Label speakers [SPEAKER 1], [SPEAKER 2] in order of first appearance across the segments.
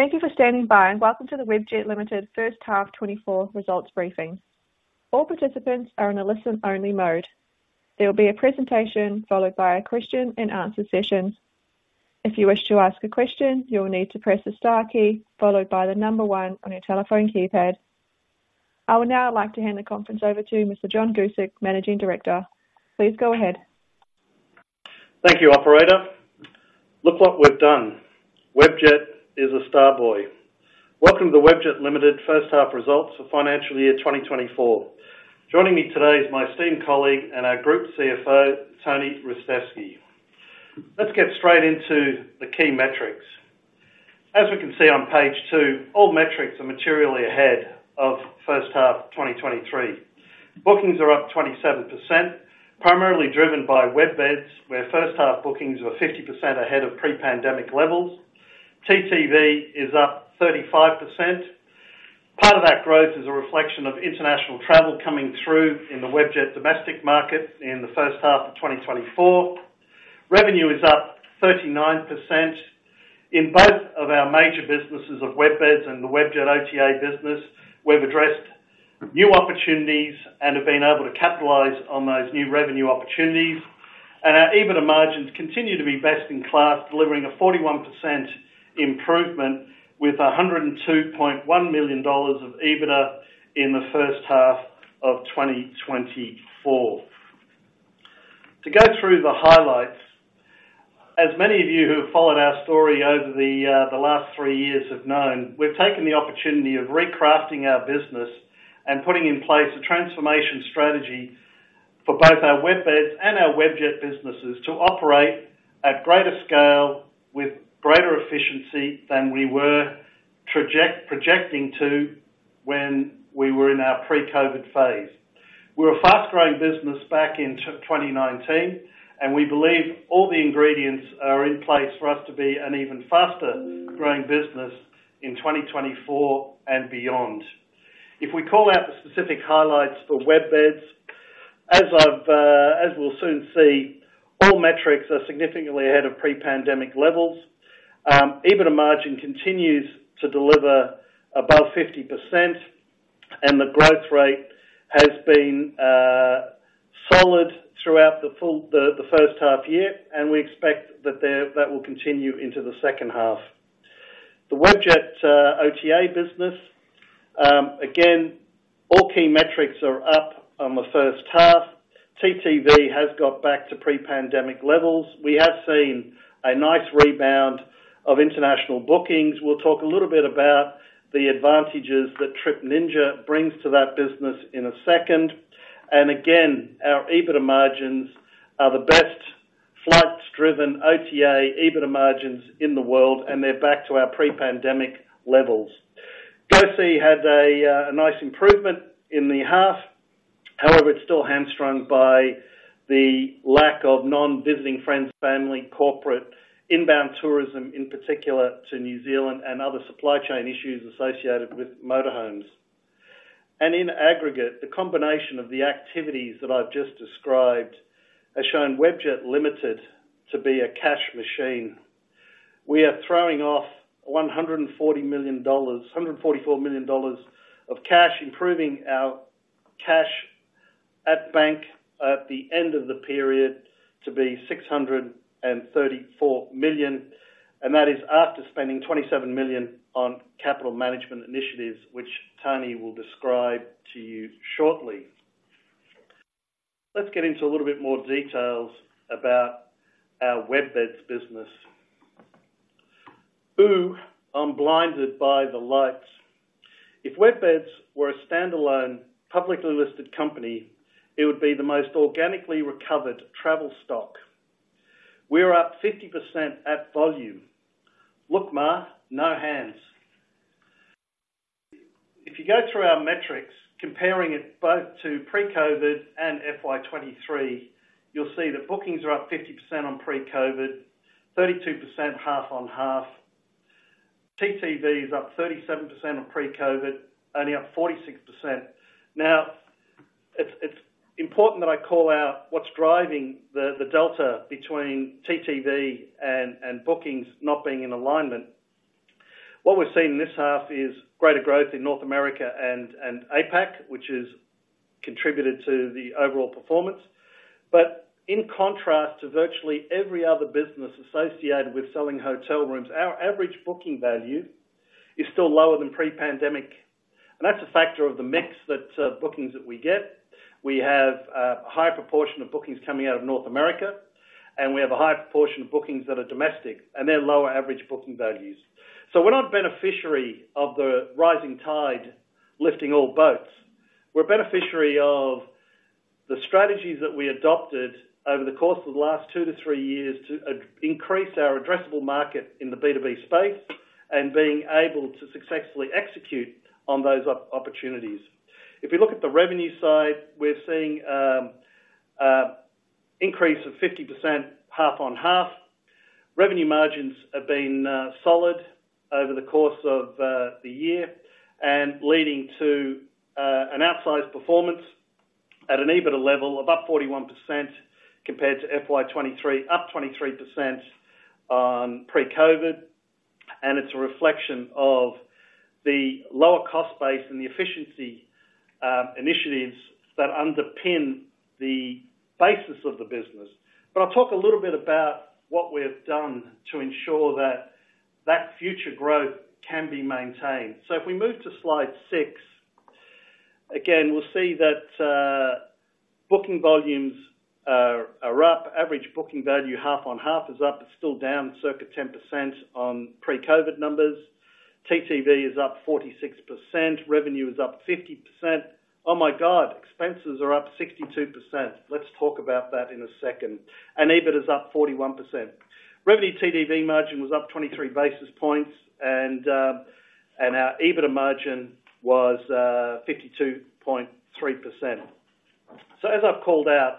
[SPEAKER 1] Thank you for standing by, and welcome to the Webjet Limited first half 2024 results briefing. All participants are in a listen-only mode. There will be a presentation followed by a question-and-answer session. If you wish to ask a question, you will need to press the star key, followed by the number one on your telephone keypad. I would now like to hand the conference over to Mr. John Guscic, Managing Director. Please go ahead.
[SPEAKER 2] Thank you, operator. Look what we've done. Webjet is a star boy. Welcome to the Webjet Limited first half results for financial year 2024. Joining me today is my esteemed colleague and our Group CFO, Tony Ristevski. Let's get straight into the key metrics. As we can see on page two, all metrics are materially ahead of first half 2023. Bookings are up 27%, primarily driven by WebBeds, where first half bookings were 50% ahead of pre-pandemic levels. TTV is up 35%. Part of that growth is a reflection of international travel coming through in the Webjet domestic market in the first half of 2024. Revenue is up 39%. In both of our major businesses of WebBeds and the Webjet OTA business, we've addressed new opportunities and have been able to capitalize on those new revenue opportunities. And our EBITDA margins continue to be best-in-class, delivering a 41% improvement with 102 million dollars of EBITDA in the first half of 2024. To go through the highlights, as many of you who have followed our story over the last three years have known, we've taken the opportunity of recrafting our business and putting in place a transformation strategy for both our WebBeds and our Webjet businesses to operate at greater scale, with greater efficiency than we were projecting to when we were in our pre-COVID phase. We were a fast-growing business back in 2019, and we believe all the ingredients are in place for us to be an even faster-growing business in 2024 and beyond. If we call out the specific highlights for WebBeds, as I've, as we'll soon see, all metrics are significantly ahead of pre-pandemic levels. EBITDA margin continues to deliver above 50%, and the growth rate has been solid throughout the first half year, and we expect that will continue into the second half. The Webjet OTA business, again, all key metrics are up on the first half. TTV has got back to pre-pandemic levels. We have seen a nice rebound of international bookings. We'll talk a little bit about the advantages that Trip Ninja brings to that business in a second. And again, our EBITDA margins are the best flights-driven OTA EBITDA margins in the world, and they're back to our pre-pandemic levels. GoSee had a nice improvement in the half. However, it's still hamstrung by the lack of non-visiting friends, family, corporate, inbound tourism, in particular to New Zealand, and other supply chain issues associated with motor homes. In aggregate, the combination of the activities that I've just described has shown Webjet Limited to be a cash machine. We are throwing off 140 million—144 million dollars of cash, improving our cash at bank at the end of the period to be 634 million, and that is after spending 27 million on capital management initiatives, which Tony will describe to you shortly. Let's get into a little bit more details about our WebBeds business. Ooh, I'm blinded by the lights. If WebBeds were a standalone, publicly listed company, it would be the most organically recovered travel stock. We're up 50% at volume. Look, Ma, no hands. If you go through our metrics, comparing it both to pre-COVID and FY 2023, you'll see that bookings are up 50% on pre-COVID, 32% half on half. TTV is up 37% on pre-COVID, only up 46%. Now, it's, it's important that I call out what's driving the, the delta between TTV and, and bookings not being in alignment. What we've seen in this half is greater growth in North America and, and APAC, which has contributed to the overall performance. But in contrast to virtually every other business associated with selling hotel rooms, our average booking value is still lower than pre-pandemic, and that's a factor of the mix that, bookings that we get. We have, a, a high proportion of bookings coming out of North America, and we have a high proportion of bookings that are domestic, and they're lower average booking values. So we're not beneficiary of the rising tide lifting all boats. We're beneficiary of the strategies that we adopted over the course of the last two to three years to increase our addressable market in the B2B space, and being able to successfully execute on those opportunities. If you look at the revenue side, we're seeing increase of 50% half on half. Revenue margins have been solid over the course of the year, and leading to an outsized performance at an EBITDA level above 41% compared to FY 2023, up 23% on pre-COVID, and it's a reflection of the lower cost base and the efficiency initiatives that underpin the basis of the business. But I'll talk a little bit about what we've done to ensure that future growth can be maintained. So if we move to slide six, again, we'll see that, booking volumes are up. Average booking value, half on half is up, it's still down circa 10% on pre-COVID numbers. TTV is up 46%, revenue is up 50%. Oh, my God! Expenses are up 62%. Let's talk about that in a second. And EBITDA is up 41%. Revenue TTV margin was up 23 basis points, and our EBITDA margin was 52.3%. So as I've called out,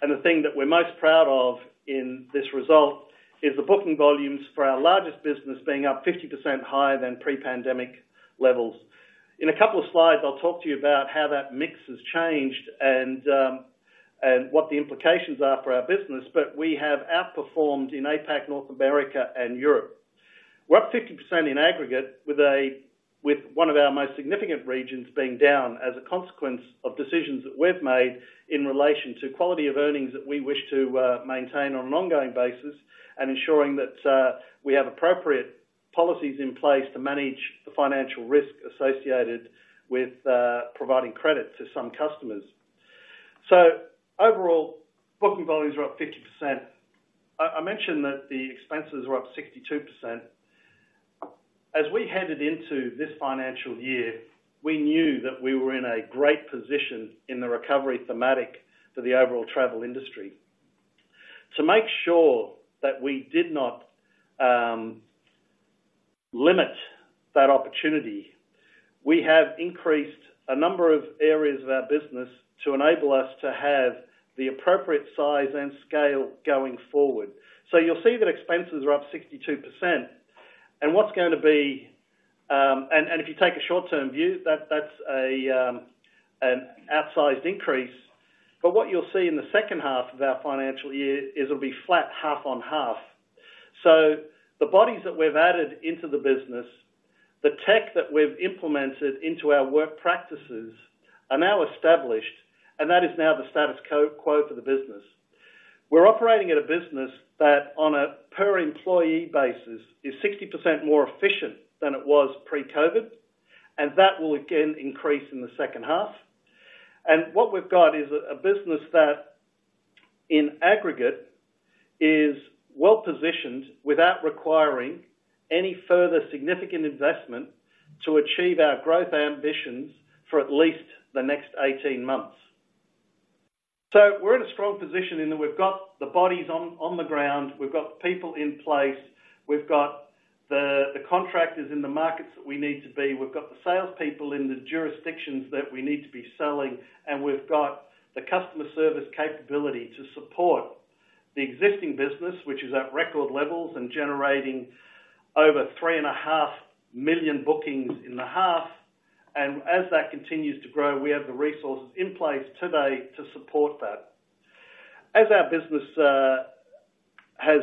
[SPEAKER 2] and the thing that we're most proud of in this result, is the booking volumes for our largest business being up 50% higher than pre-pandemic levels. In a couple of slides, I'll talk to you about how that mix has changed and what the implications are for our business, but we have outperformed in APAC, North America, and Europe. We're up 50% in aggregate with one of our most significant regions being down as a consequence of decisions that we've made in relation to quality of earnings that we wish to maintain on an ongoing basis, and ensuring that we have appropriate policies in place to manage the financial risk associated with providing credit to some customers. So overall, booking volumes are up 50%. I mentioned that the expenses are up 62%. As we headed into this financial year, we knew that we were in a great position in the recovery thematic for the overall travel industry. To make sure that we did not limit that opportunity, we have increased a number of areas of our business to enable us to have the appropriate size and scale going forward. So you'll see that expenses are up 62%, and what's going to be, if you take a short-term view, that's an outsized increase. But what you'll see in the second half of our financial year is it'll be flat, half on half. So the bodies that we've added into the business, the tech that we've implemented into our work practices, are now established, and that is now the status quo for the business. We're operating at a business that, on a per employee basis, is 60% more efficient than it was pre-COVID, and that will again increase in the second half. What we've got is a business that, in aggregate, is well-positioned without requiring any further significant investment to achieve our growth ambitions for at least the next 18 months. So we're in a strong position in that we've got the bodies on the ground, we've got people in place, we've got the contractors in the markets that we need to be, we've got the salespeople in the jurisdictions that we need to be selling, and we've got the customer service capability to support the existing business, which is at record levels and generating over 3.5 million bookings in the half. As that continues to grow, we have the resources in place today to support that. As our business has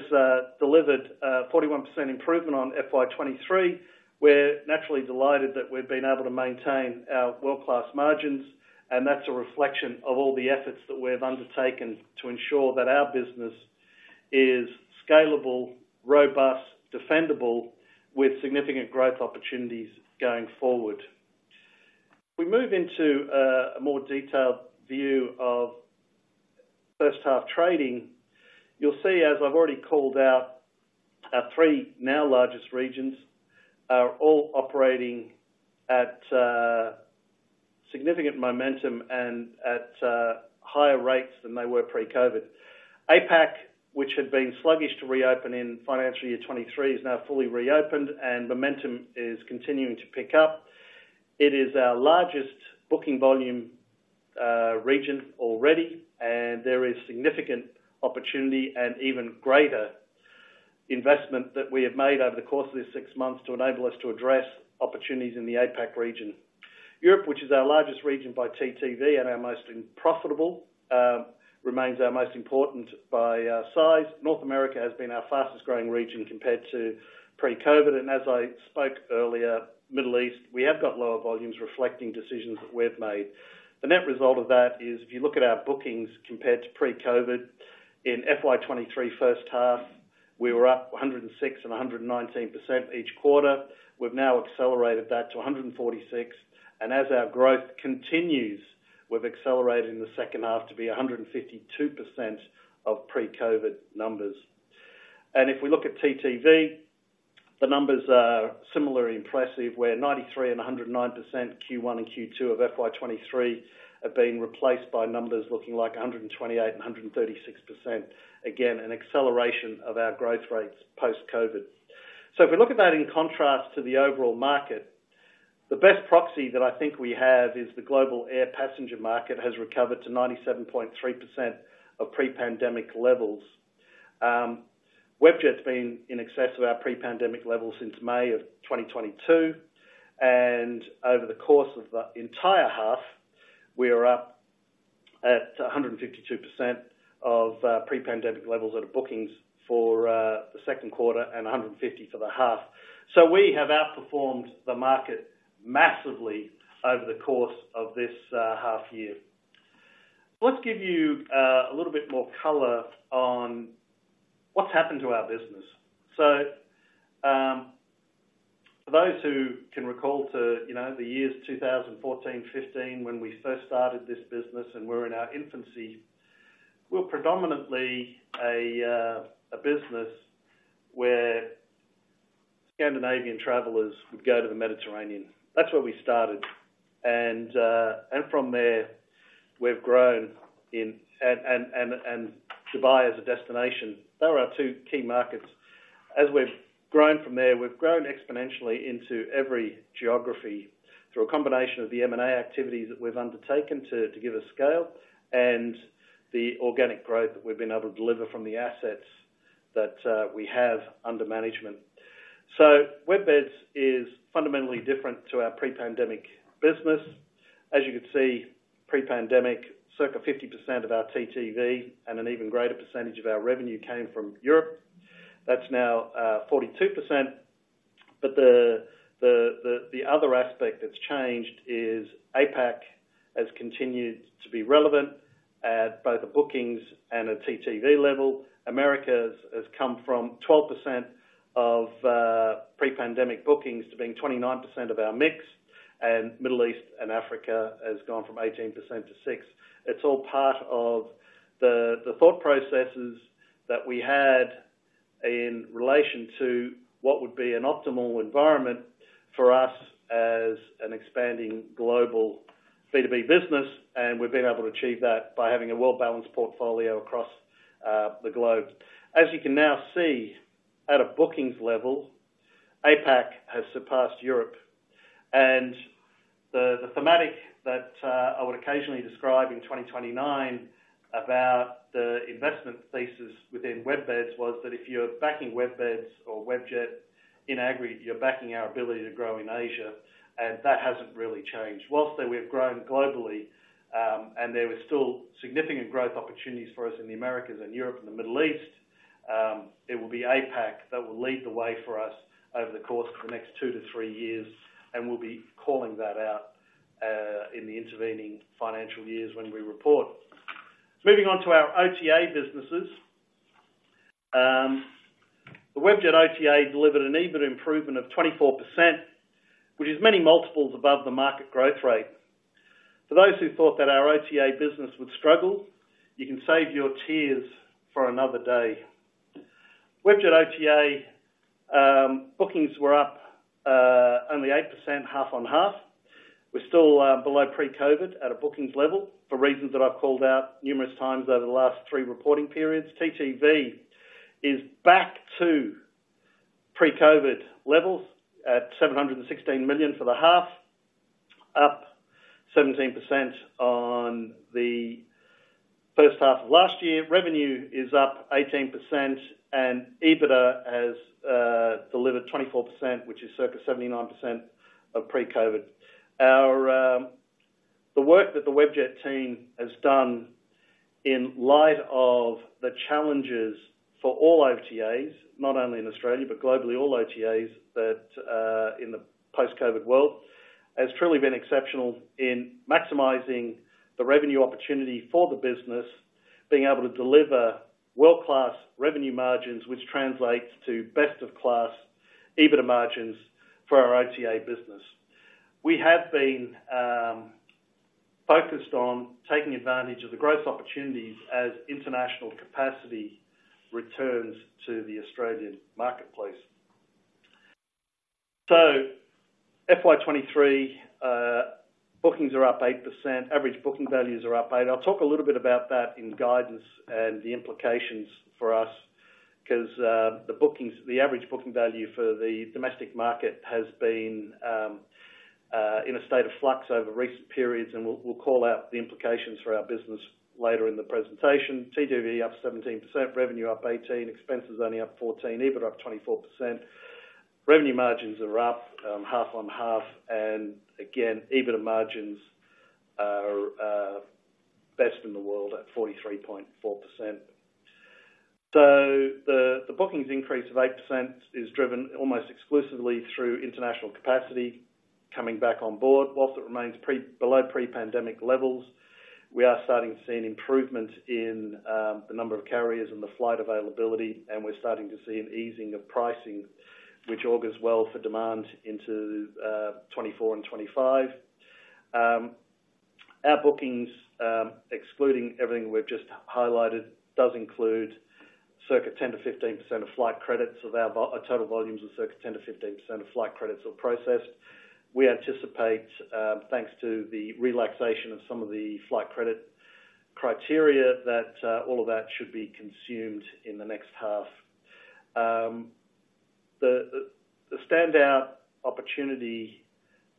[SPEAKER 2] delivered a 41% improvement on FY 2023, we're naturally delighted that we've been able to maintain our world-class margins, and that's a reflection of all the efforts that we've undertaken to ensure that our business is scalable, robust, defendable, with significant growth opportunities going forward. We move into a more detailed view of first half trading. You'll see, as I've already called out, our three now largest regions are all operating at significant momentum and at higher rates than they were pre-COVID. APAC, which had been sluggish to reopen in financial year 2023, is now fully reopened, and momentum is continuing to pick up. It is our largest booking volume region already, and there is significant opportunity and even greater investment that we have made over the course of these six months to enable us to address opportunities in the APAC region. Europe, which is our largest region by TTV and our most profitable, remains our most important by size. North America has been our fastest growing region compared to pre-COVID, and as I spoke earlier, Middle East, we have got lower volumes reflecting decisions that we've made. The net result of that is, if you look at our bookings compared to pre-COVID, in FY 2023 first half, we were up 106% and 119% each quarter. We've now accelerated that to 146, and as our growth continues, we've accelerated in the second half to be 152% of pre-COVID numbers. If we look at TTV, the numbers are similarly impressive, where 93% and 109% Q1 and Q2 of FY 2023 have been replaced by numbers looking like 128% and 136%. Again, an acceleration of our growth rates post-COVID. If we look at that in contrast to the overall market, the best proxy that I think we have is the global air passenger market has recovered to 97.3% of pre-pandemic levels. Webjet's been in excess of our pre-pandemic levels since May 2022, and over the course of the entire half, we are up at 152% of pre-pandemic levels out of bookings for the second quarter and 150 for the half. So we have outperformed the market massively over the course of this half year. Let's give you a little bit more color on what's happened to our business. So, for those who can recall to, you know, the years 2014, 2015, when we first started this business and we're in our infancy, we're predominantly a business where Scandinavian travelers would go to the Mediterranean. That's where we started. And from there, we've grown in Dubai as a destination. They are our two key markets. As we've grown from there, we've grown exponentially into every geography through a combination of the M&A activities that we've undertaken to, to give us scale, and the organic growth that we've been able to deliver from the assets that we have under management. So WebBeds is fundamentally different to our pre-pandemic business. As you can see, pre-pandemic, circa 50% of our TTV and an even greater percentage of our revenue came from Europe. That's now 42%. But the other aspect that's changed is APAC has continued to be relevant at both the bookings and at TTV level. Americas has come from 12% of pre-pandemic bookings to being 29% of our mix, and Middle East and Africa has gone from 18% to 6%. It's all part of the thought processes that we had in relation to what would be an optimal environment for us as an expanding global B2B business, and we've been able to achieve that by having a well-balanced portfolio across the globe. As you can now see, at a bookings level, APAC has surpassed Europe. And the thematic that I would occasionally describe in 2029 about the investment thesis within WebBeds was that if you're backing WebBeds or Webjet in aggregate, you're backing our ability to grow in Asia, and that hasn't really changed. While that we've grown globally, and there is still significant growth opportunities for us in the Americas and Europe and the Middle East, it will be APAC that will lead the way for us over the course of the next two-three years, and we'll be calling that out in the intervening financial years when we report. Moving on to our OTA businesses. The Webjet OTA delivered an EBIT improvement of 24%, which is many multiples above the market growth rate. For those who thought that our OTA business would struggle, you can save your tears for another day. Webjet OTA bookings were up only 8%, half on half. We're still below pre-COVID at a bookings level for reasons that I've called out numerous times over the last three reporting periods. TTV is back to pre-COVID levels at 716 million for the half, up 17% on the first half of last year. Revenue is up 18%, and EBITDA has delivered 24%, which is circa 79% of pre-COVID. The work that the Webjet team has done in light of the challenges for all OTAs, not only in Australia, but globally, all OTAs, that in the post-COVID world, has truly been exceptional in maximizing the revenue opportunity for the business, being able to deliver world-class revenue margins, which translates to best-of-class EBITDA margins for our OTA business. We have been focused on taking advantage of the growth opportunities as international capacity returns to the Australian marketplace. So FY 2023 bookings are up 8%, average booking values are up. I'll talk a little bit about that in guidance and the implications for us, 'cause, the bookings—the average booking value for the domestic market has been, in a state of flux over recent periods, and we'll, we'll call out the implications for our business later in the presentation. TTV up 17%, revenue up 18%, expenses only up 14%, EBITDA up 24%. Revenue margins are up, half on half, and again, EBITDA margins are, best in the world at 43.4%. So the, the bookings increase of 8% is driven almost exclusively through international capacity coming back on board. Whilst it remains below pre-pandemic levels, we are starting to see an improvement in the number of carriers and the flight availability, and we're starting to see an easing of pricing, which augurs well for demand into 2024 and 2025. Our bookings, excluding everything we've just highlighted, does include circa 10%-15% of flight credits. Of our total volumes, circa 10%-15% of flight credits are processed. We anticipate, thanks to the relaxation of some of the flight credit criteria, that all of that should be consumed in the next half. The standout opportunity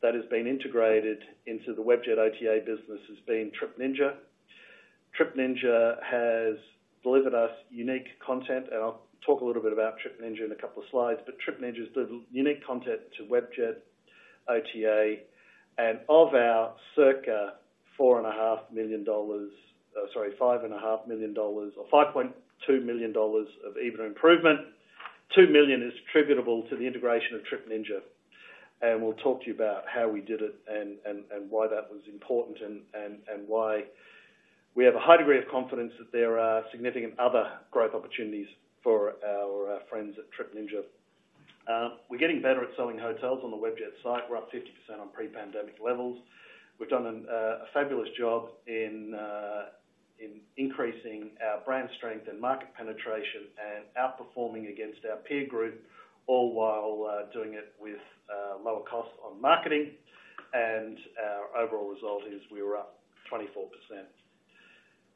[SPEAKER 2] that has been integrated into the Webjet OTA business has been Trip Ninja. Trip Ninja has delivered us unique content, and I'll talk a little bit about Trip Ninja in a couple of slides. But Trip Ninja is the unique content to Webjet OTA, and of our $5.5 million or $5.2 million of EBITDA improvement, 2 million is attributable to the integration of Trip Ninja. And we'll talk to you about how we did it and why that was important, and why we have a high degree of confidence that there are significant other growth opportunities for our friends at Trip Ninja. We're getting better at selling hotels on the Webjet site. We're up 50% on pre-pandemic levels. We've done a fabulous job in increasing our brand strength and market penetration and outperforming against our peer group, all while doing it with lower costs on marketing. Our overall result is we were up 24%.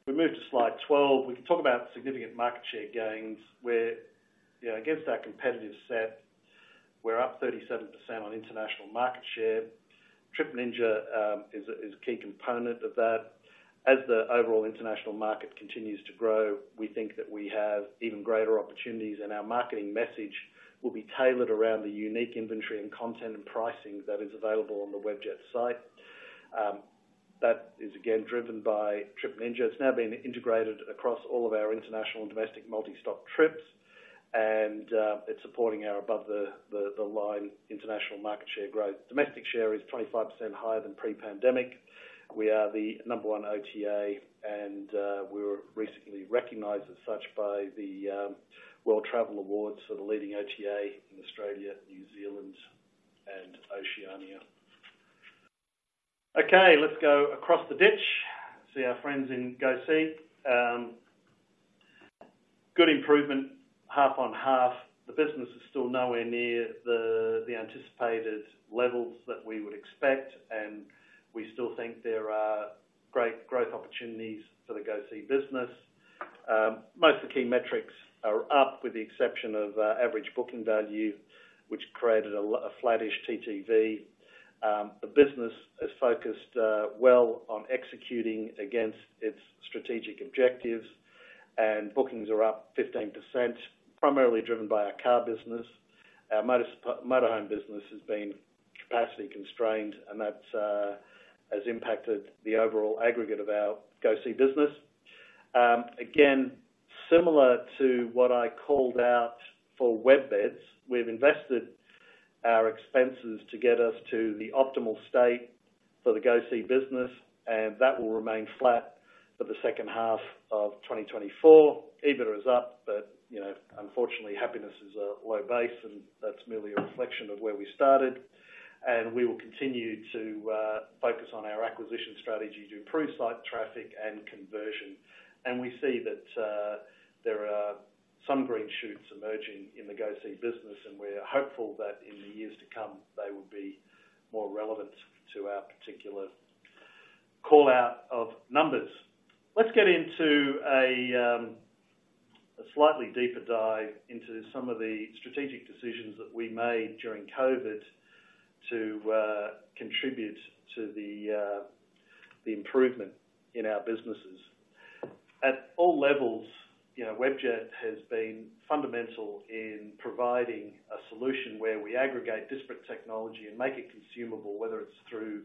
[SPEAKER 2] If we move to slide 12, we can talk about significant market share gains, where, you know, against our competitive set, we're up 37% on international market share. Trip Ninja is a key component of that. As the overall international market continues to grow, we think that we have even greater opportunities, and our marketing message will be tailored around the unique inventory and content and pricing that is available on the Webjet site. That is again, driven by Trip Ninja. It's now been integrated across all of our international and domestic multi-stop trips, and it's supporting our above the line international market share growth. Domestic share is 25% higher than pre-pandemic. We are the number one OTA, and we were recently recognized as such by the World Travel Awards for the leading OTA in Australia, New Zealand, and Oceania. Okay, let's go across the ditch, see our friends in GoSee. Good improvement, half on half. The business is still nowhere near the anticipated levels that we would expect, and we still think there are great growth opportunities for the GoSee business. Most of the key metrics are up, with the exception of average booking value, which created a flattish TTV. The business is focused well on executing against its strategic objectives, and bookings are up 15%, primarily driven by our car business. Our motorhome business has been capacity constrained, and that has impacted the overall aggregate of our GoSee business. Again, similar to what I called out for WebBeds, we've invested our expenses to get us to the optimal state for the GoSee business, and that will remain flat for the second half of 2024. EBITDA is up, but, you know, unfortunately, happiness is a low base, and that's merely a reflection of where we started. We will continue to focus on our acquisition strategy to improve site traffic and conversion. We see that there are some green shoots emerging in the GoSee business, and we're hopeful that in the years to come, they will be more relevant to our particular call out of numbers. Let's get into a slightly deeper dive into some of the strategic decisions that we made during COVID to contribute to the improvement in our businesses. At all levels, you know, Webjet has been fundamental in providing a solution where we aggregate disparate technology and make it consumable, whether it's through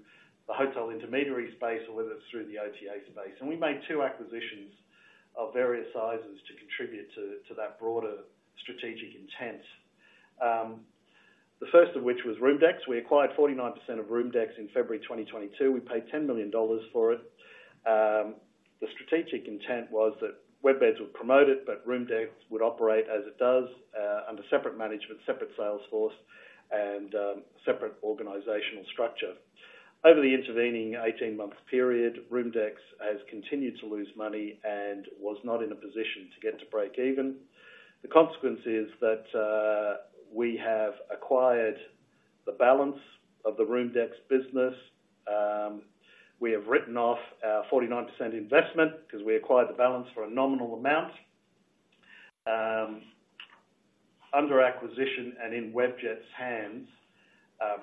[SPEAKER 2] the hotel intermediary space or whether it's through the OTA space. We made two acquisitions of various sizes to contribute to, to that broader strategic intent. The first of which was ROOMDEX. We acquired 49% of ROOMDEX in February 2022. We paid $10 million for it. The strategic intent was that WebBeds would promote it, but ROOMDEX would operate as it does, under separate management, separate sales force, and, separate organizational structure. Over the intervening 18-month period, ROOMDEX has continued to lose money and was not in a position to get to break even. The consequence is that, we have acquired the balance of the ROOMDEX business. We have written off our 49% investment because we acquired the balance for a nominal amount. Under acquisition and in Webjet's hands,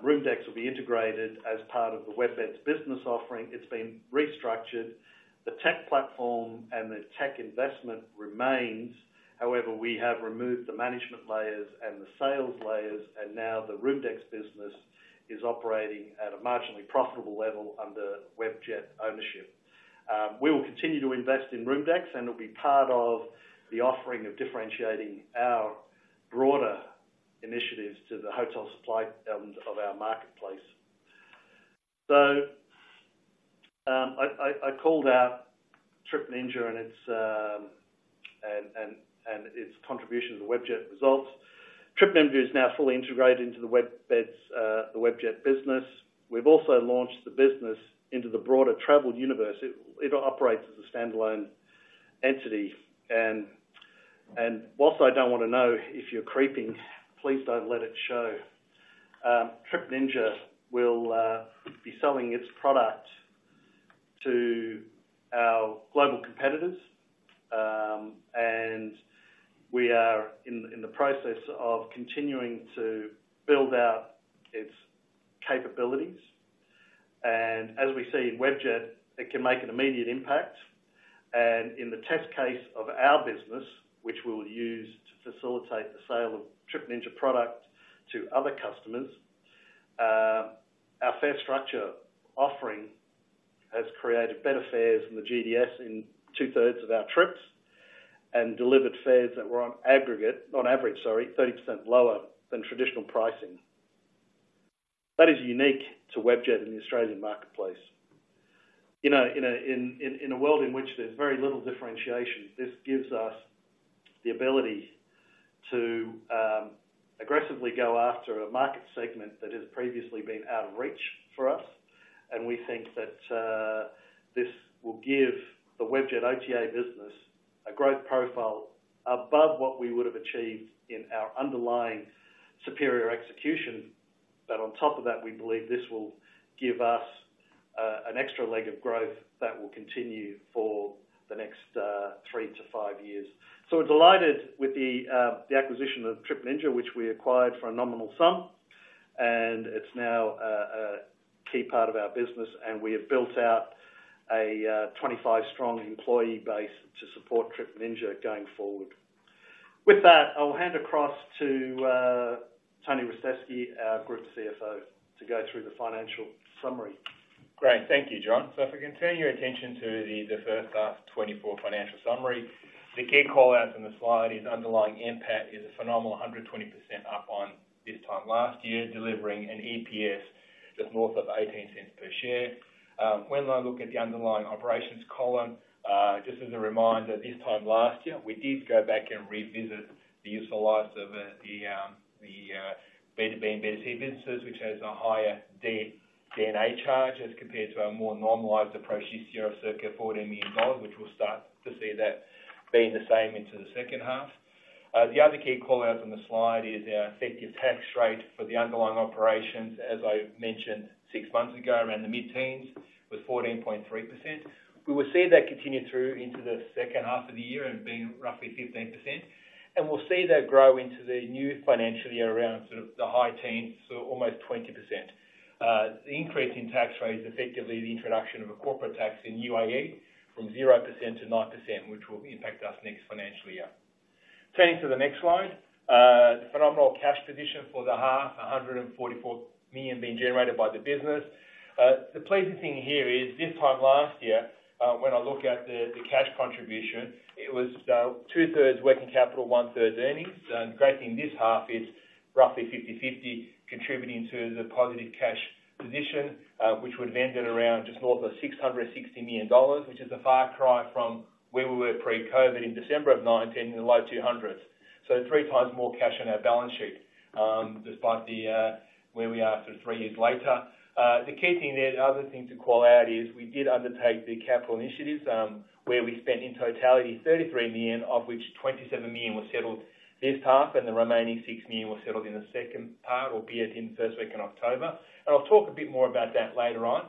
[SPEAKER 2] ROOMDEX will be integrated as part of the WebBeds business offering. It's been restructured. The tech platform and the tech investment remains. However, we have removed the management layers and the sales layers, and now the ROOMDEX business is operating at a marginally profitable level under Webjet ownership. We will continue to invest in ROOMDEX, and it'll be part of the offering of differentiating our broader initiatives to the hotel supply of our marketplace. I called out Trip Ninja and its contribution to the Webjet results. Trip Ninja is now fully integrated into the WebBeds, the Webjet business. We've also launched the business into the broader travel universe. It operates as a standalone entity, and whilst I don't wanna know if you're creeping, please don't let it show. Trip Ninja will be selling its product to our global competitors, and we are in the process of continuing to build out its capabilities. And as we see in Webjet, it can make an immediate impact. And in the test case of our business, which we will use to facilitate the sale of Trip Ninja product to other customers, our fare structure offering has created better fares in the GDS in two-thirds of our trips, and delivered fares that were on aggregate—on average, 30% lower than traditional pricing. That is unique to Webjet in the Australian marketplace. You know, in a world in which there's very little differentiation, this gives us the ability to aggressively go after a market segment that has previously been out of reach for us. And we think that this will give the Webjet OTA business a growth profile above what we would have achieved in our underlying superior execution. But on top of that, we believe this will give us an extra leg of growth that will continue for the next three-five years. So we're delighted with the acquisition of Trip Ninja, which we acquired for a nominal sum, and it's now a key part of our business, and we have built out a 25-strong employee base to support Trip Ninja going forward. With that, I'll hand across to Tony Ristevski, our Group CFO, to go through the financial summary.
[SPEAKER 3] Great. Thank you, John. So if we can turn your attention to the first half 2024 financial summary. The key call-outs in the slide is underlying NPAT is a phenomenal 120% up on this time last year, delivering an EPS just north of 0.18 per share. When I look at the underlying operations column, just as a reminder, this time last year, we did go back and revisit the useful lives of the B2B and B2C businesses, which has a higher D&A charge, as compared to our more normalized approach this year of circa 40 million dollars, which we'll start to see that being the same into the second half. The other key call-out on the slide is our effective tax rate for the underlying operations, as I mentioned six months ago, around the mid-teens, with 14.3%. We will see that continue through into the second half of the year and being roughly 15%, and we'll see that grow into the new financial year around sort of the high teens, so almost 20%. The increase in tax rate is effectively the introduction of a corporate tax in UAE from 0% to 9%, which will impact us next financial year. Turning to the next slide. Phenomenal cash position for the half, 144 million being generated by the business. The pleasing thing here is, this time last year, when I look at the, the cash contribution, it was, two-thirds working capital, one-third earnings. So the great thing this half is roughly 50/50, contributing to the positive cash position, which would have ended around just north of 660 million dollars, which is a far cry from where we were pre-COVID in December of 2019, in the low 200s. So three times more cash on our balance sheet, despite the, where we are sort of three years later. The key thing there, the other thing to call out is we did undertake the capital initiatives, where we spent, in totality, 33 million, of which 27 million was settled this half, and the remaining 6 million was settled in the second half, or be it in the first week in October. And I'll talk a bit more about that later on.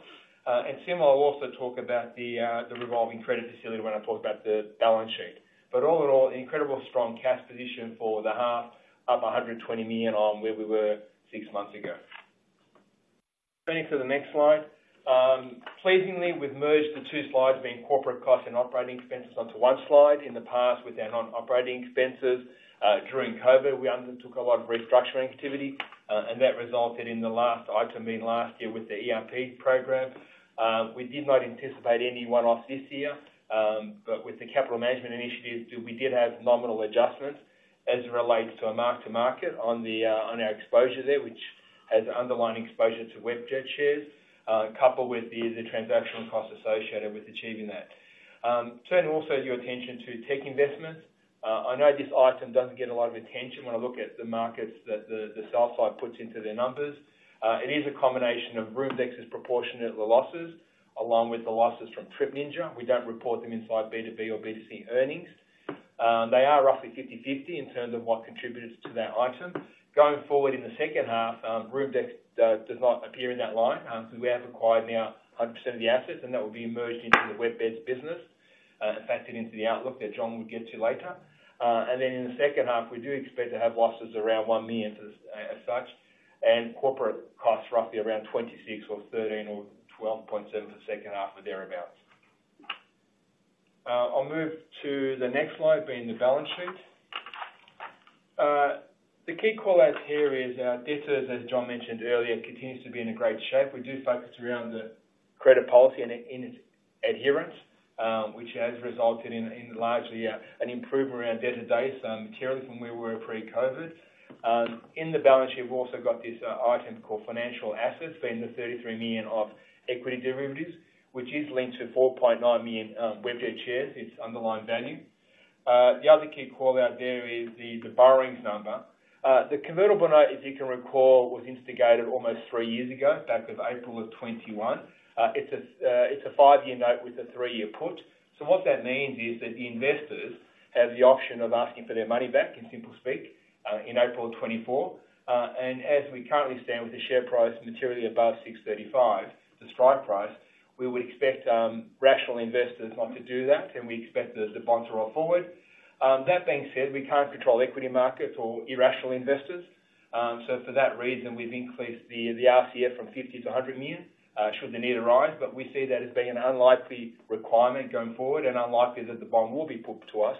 [SPEAKER 3] And similarly, I'll also talk about the revolving credit facility when I talk about the balance sheet. But all in all, an incredible strong cash position for the half, up 120 million on where we were six months ago. Turning to the next slide. Pleasingly, we've merged the two slides, being corporate costs and operating expenses, onto one slide. In the past, with our non-operating expenses, during COVID, we undertook a lot of restructuring activity, and that resulted in the last item, being last year with the ERP program. We did not anticipate any one-off this year, but with the capital management initiatives, we did have nominal adjustments as it relates to a mark-to-market on our exposure there, which has underlying exposure to Webjet shares, coupled with the transactional costs associated with achieving that. Turn also your attention to tech investments. I know this item doesn't get a lot of attention when I look at the markets that the sell side puts into their numbers. It is a combination of ROOMDEX's proportionate losses, along with the losses from Trip Ninja. We don't report them inside B2B or B2C earnings. They are roughly 50/50 in terms of what contributes to that item. Going forward in the second half, ROOMDEX does not appear in that line, so we have acquired now 100% of the assets, and that will be merged into the WebBeds business, and factored into the outlook that John will get to later. And then in the second half, we do expect to have losses around 1 million as such, and corporate costs roughly around 26 million or 13 million or 12.7 million for second half or thereabout. I'll move to the next slide, being the balance sheet. The key call-outs here is our debtors, as John mentioned earlier, continues to be in a great shape. We do focus around the credit policy and its adherence, which has resulted in largely an improvement around debt to date, materially from where we were pre-COVID. In the balance sheet, we've also got this item called financial assets, being the 33 million of equity derivatives, which is linked to 4.9 million Webjet shares, its underlying value. The other key call-out there is the borrowings number. The convertible note, as you can recall, was instigated almost three years ago, back in April of 2021. It's a five-year note with a three-year put. So what that means is that the investors have the option of asking for their money back, in simple speak, in April of 2024. And as we currently stand with the share price materially above 6.35, the strike price, we would expect rational investors not to do that, and we expect the bond to roll forward. That being said, we can't control equity markets or irrational investors. So for that reason, we've increased the RCF from 50 million to 100 million, should the need arise, but we see that as being an unlikely requirement going forward and unlikely that the bond will be put to us,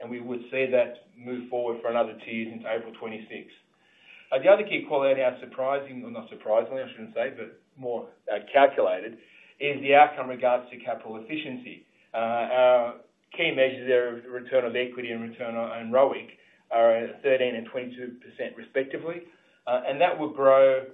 [SPEAKER 3] and we would see that move forward for another two years into April 2026. The other key call out, surprising or not surprisingly, I shouldn't say, but more calculated, is the outcome regards to capital efficiency. Our key measures there, return on equity and return on ROIC, are 13% and 22% respectively. And that will grow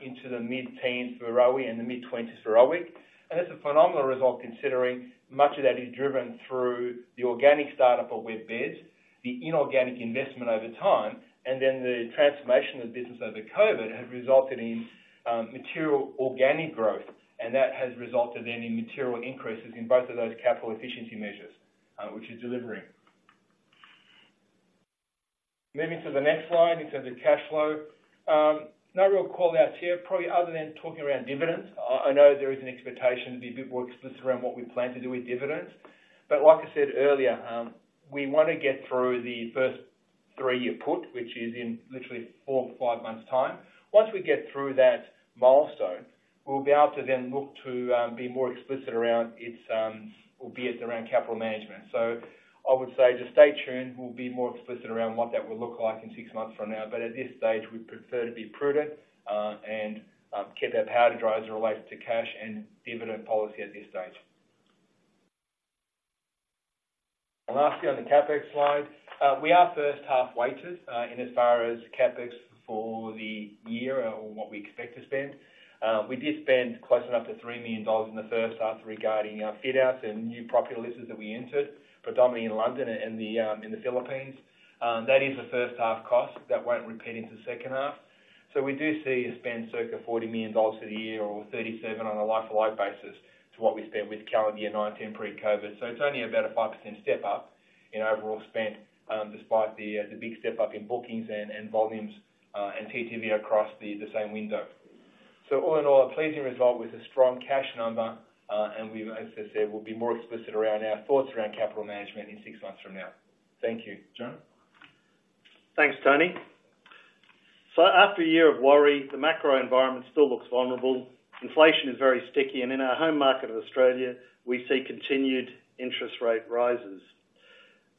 [SPEAKER 3] into the mid-teens for ROE and the mid-twenties for ROIC. That's a phenomenal result, considering much of that is driven through the organic startup of WebBeds, the inorganic investment over time, and then the transformation of the business over COVID has resulted in material organic growth, and that has resulted in material increases in both of those capital efficiency measures, which is delivering. Moving to the next slide, in terms of cash flow. No real call-outs here, probably, other than talking around dividends. I know there is an expectation to be a bit more explicit around what we plan to do with dividends. But like I said earlier, we want to get through the first three-year put, which is in literally four or five months' time. Once we get through that milestone, we'll be able to then look to be more explicit around its, albeit around capital management. So I would say just stay tuned. We'll be more explicit around what that will look like in six months from now. But at this stage, we'd prefer to be prudent, and keep our powder dry as it relates to cash and dividend policy at this stage. Lastly, on the CapEx slide. We are first half weighted, in as far as CapEx for the year or what we expect to spend. We did spend close enough to 3 million dollars in the first half regarding fit outs and new property leases that we entered, predominantly in London and in the Philippines. That is a first half cost that won't repeat into the second half. So we do see a spend circa 40 million dollars for the year or 37 on a like-to-like basis to what we spent with calendar year 2019 pre-COVID. So it's only about a 5% step-up in overall spend, despite the big step-up in bookings and volumes and TTV across the same window. So all in all, a pleasing result with a strong cash number. And we've, as I said, we'll be more explicit around our thoughts around capital management in 6 months from now. Thank you. John?
[SPEAKER 2] Thanks, Tony. So after a year of worry, the macro environment still looks vulnerable. Inflation is very sticky, and in our home market of Australia, we see continued interest rate rises.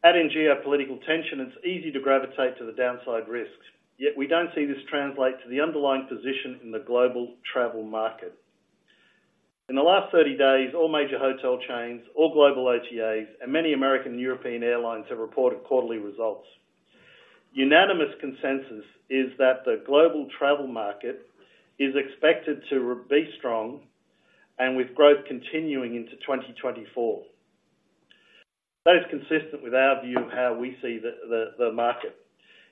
[SPEAKER 2] Adding geopolitical tension, it's easy to gravitate to the downside risks, yet we don't see this translate to the underlying position in the global travel market. In the last 30 days, all major hotel chains, all global OTAs, and many American and European airlines have reported quarterly results. Unanimous consensus is that the global travel market is expected to be strong and with growth continuing into 2024. That is consistent with our view of how we see the market.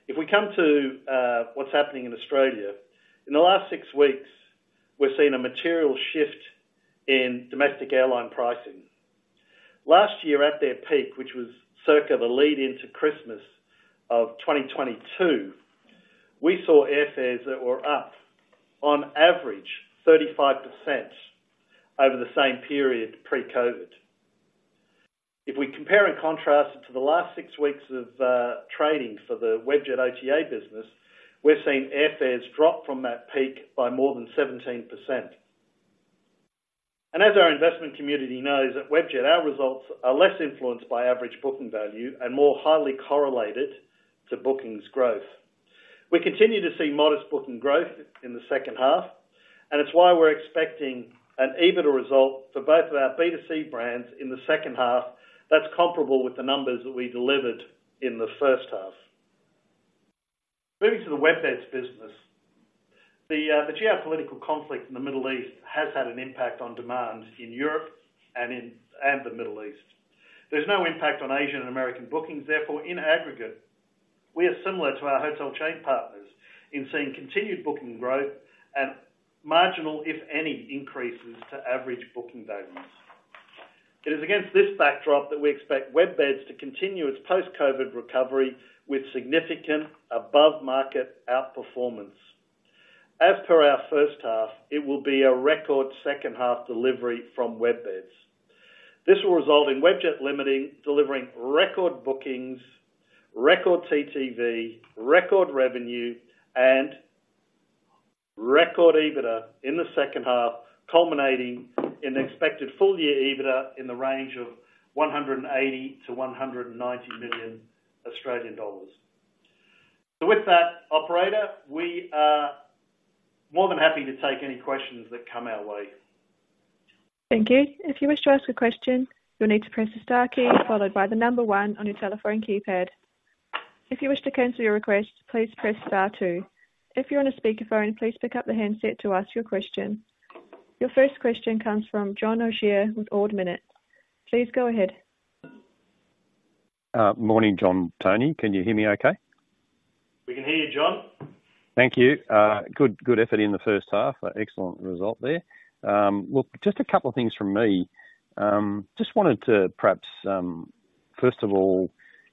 [SPEAKER 2] If we come to what's happening in Australia, in the last six weeks, we've seen a material shift in domestic airline pricing. Last year at their peak, which was circa the lead into Christmas of 2022, we saw airfares that were up on average 35% over the same period pre-COVID. If we compare and contrast it to the last six weeks of trading for the Webjet OTA business, we're seeing airfares drop from that peak by more than 17%. As our investment community knows, at Webjet, our results are less influenced by average booking value and more highly correlated to bookings growth. We continue to see modest booking growth in the second half, and it's why we're expecting an EBITDA result for both of our B2C brands in the second half. That's comparable with the numbers that we delivered in the first half. Moving to the WebBeds business. The geopolitical conflict in the Middle East has had an impact on demand in Europe and in and the Middle East. There's no impact on Asian and American bookings, therefore, in aggregate, we are similar to our hotel chain partners in seeing continued booking growth and marginal, if any, increases to average booking values. It is against this backdrop that we expect WebBeds to continue its post-COVID recovery with significant above-market outperformance. As per our first half, it will be a record second half delivery from WebBeds. This will result in Webjet delivering record bookings, record TTV, record revenue, and record EBITDA in the second half, culminating in an expected full-year EBITDA in the range of 180 million-190 million Australian dollars. So with that, operator, we are more than happy to take any questions that come our way.
[SPEAKER 1] Thank you. If you wish to ask a question, you'll need to press the star key, followed by the number one on your telephone keypad. If you wish to cancel your request, please press star two. If you're on a speakerphone, please pick up the handset to ask your question.... Your first question comes from John O'Shea with Ord Minnett. Please go ahead.
[SPEAKER 4] Morning, John, Tony. Can you hear me okay?
[SPEAKER 2] We can hear you, John.
[SPEAKER 4] Thank you. Good, good effort in the first half. Excellent result there. Look, just a couple of things from me. Just wanted to perhaps, first of all,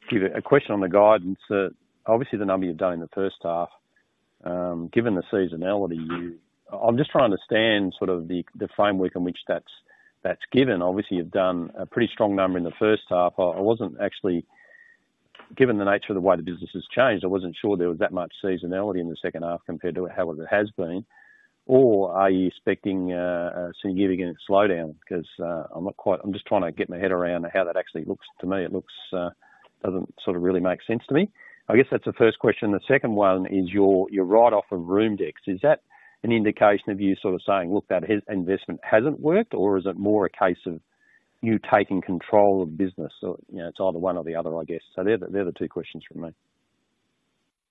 [SPEAKER 4] give a question on the guidance that obviously the number you've done in the first half, given the seasonality, you. I'm just trying to understand sort of the framework in which that's given. Obviously, you've done a pretty strong number in the first half. I wasn't actually, given the nature of the way the business has changed, I wasn't sure there was that much seasonality in the second half compared to how it has been. Or are you expecting a significant slowdown? Because, I'm not quite. I'm just trying to get my head around how that actually looks. To me, it looks, doesn't sort of really make sense to me. I guess that's the first question. The second one is your, your write-off of ROOMDEX. Is that an indication of you sort of saying, "Look, that investment hasn't worked?" Or is it more a case of you taking control of the business? So, you know, it's either one or the other, I guess. So they're the, they're the two questions from me.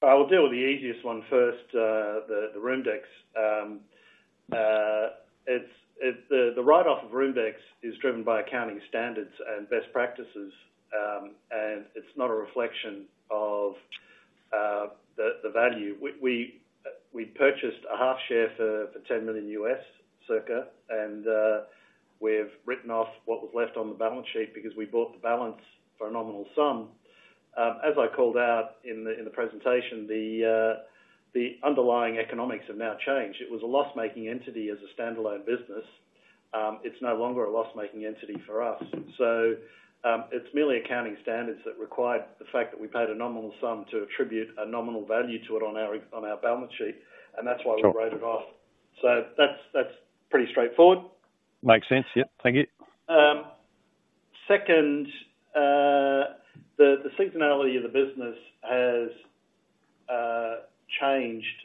[SPEAKER 2] I will deal with the easiest one first, the ROOMDEX. It's the write-off of ROOMDEX is driven by accounting standards and best practices, and it's not a reflection of the value. We purchased a half share for $10 million, circa, and we've written off what was left on the balance sheet because we bought the balance for a nominal sum. As I called out in the presentation, the underlying economics have now changed. It was a loss-making entity as a standalone business. It's no longer a loss-making entity for us. It's merely accounting standards that required the fact that we paid a nominal sum to attribute a nominal value to it on our balance sheet, and that's why-
[SPEAKER 4] Sure.
[SPEAKER 2] We wrote it off. So that's, that's pretty straightforward.
[SPEAKER 4] Makes sense. Yep. Thank you.
[SPEAKER 2] Second, the seasonality of the business has changed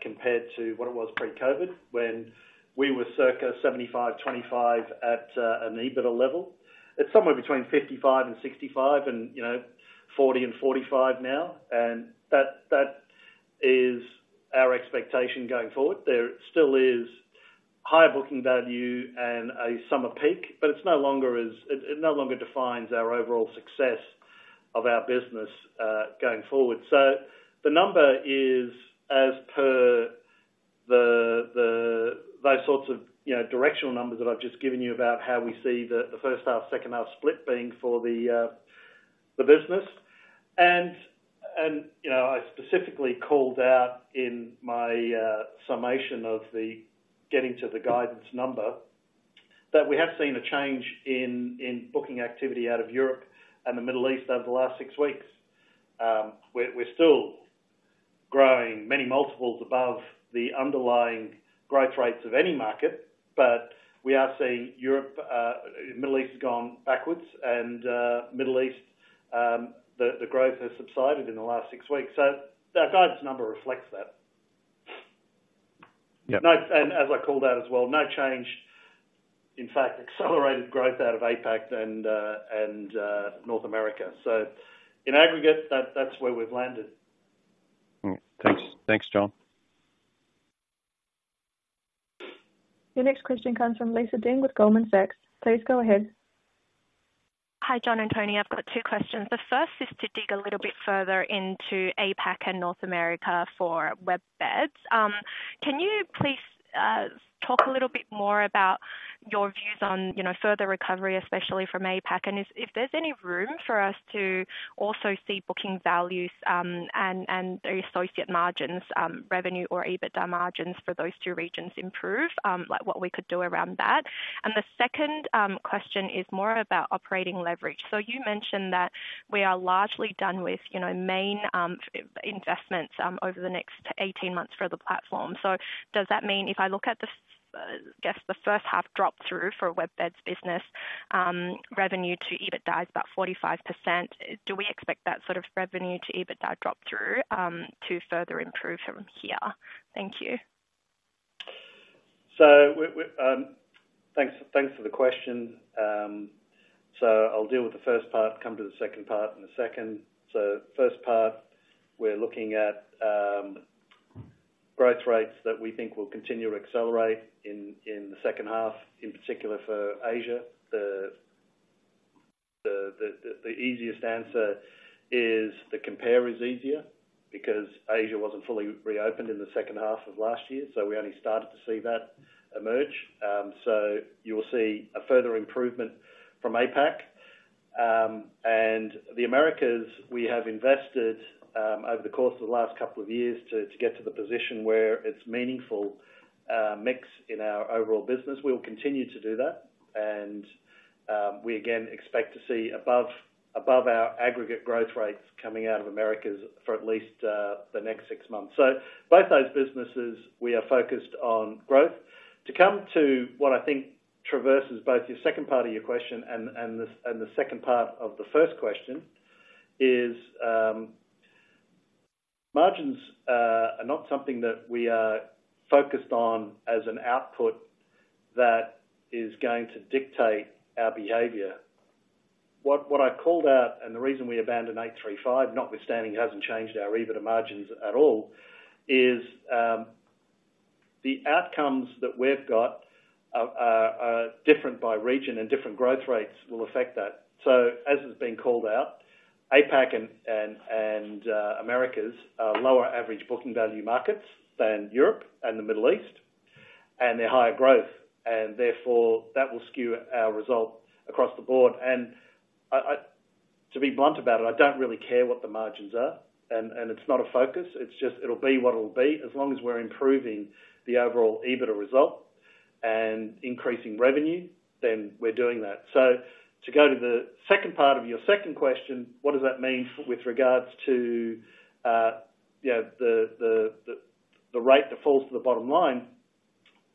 [SPEAKER 2] compared to what it was pre-COVID, when we were circa 75-25 at an EBITDA level. It's somewhere between 55 and 65 and, you know, 40 and 45 now, and that is our expectation going forward. There still is high booking value and a summer peak, but it's no longer as—it no longer defines our overall success of our business going forward. So the number is as per the—those sorts of, you know, directional numbers that I've just given you about how we see the first half, second half split being for the business. You know, I specifically called out in my summation of the getting to the guidance number, that we have seen a change in booking activity out of Europe and the Middle East over the last six weeks. We're still growing many multiples above the underlying growth rates of any market, but we are seeing Europe, Middle East has gone backwards and Middle East, the growth has subsided in the last six weeks. So our guidance number reflects that.
[SPEAKER 4] Yeah.
[SPEAKER 2] No, and as I called out as well, no change, in fact, accelerated growth out of APAC and North America. So in aggregate, that, that's where we've landed.
[SPEAKER 4] Mm. Thanks. Thanks, John.
[SPEAKER 1] Your next question comes from Lisa Deng with Goldman Sachs. Please go ahead.
[SPEAKER 5] Hi, John and Tony. I've got two questions. The first is to dig a little bit further into APAC and North America for WebBeds. Can you please talk a little bit more about your views on, you know, further recovery, especially from APAC? And if, if there's any room for us to also see booking values, and, and the associate margins, revenue or EBITDA margins for those two regions improve, like what we could do around that. And the second question is more about operating leverage. So you mentioned that we are largely done with, you know, main investments over the next 18 months for the platform. So does that mean if I look at the, I guess, the first half drop-through for WebBeds business, revenue to EBITDA is about 45%. Do we expect that sort of revenue to EBITDA drop-through to further improve from here? Thank you.
[SPEAKER 2] So, thanks for the question. So I'll deal with the first part, come to the second part in a second. So first part, we're looking at growth rates that we think will continue to accelerate in the second half, in particular for Asia. The easiest answer is the compare is easier because Asia wasn't fully reopened in the second half of last year, so we only started to see that emerge. So you will see a further improvement from APAC. And the Americas, we have invested over the course of the last couple of years to get to the position where it's meaningful mix in our overall business. We will continue to do that, and, we again expect to see above our aggregate growth rates coming out of Americas for at least, the next six months. So both those businesses, we are focused on growth. To come to what I think traverses both your second part of your question and, and the, and the second part of the first question is, margins, are not something that we are focused on as an output that is going to dictate our behavior. What I called out and the reason we abandoned 835, notwithstanding, it hasn't changed our EBITDA margins at all, is, the outcomes that we've got are different by region, and different growth rates will affect that. So as it's been called out, APAC and Americas are lower average booking value markets than Europe and the Middle East, and they're higher growth, and therefore, that will skew our result across the board. And to be blunt about it, I don't really care what the margins are, and it's not a focus. It's just, it'll be what it'll be. As long as we're improving the overall EBITDA result and increasing revenue, then we're doing that. So to go to the second part of your second question, what does that mean with regards to, you know, the rate that falls to the bottom line?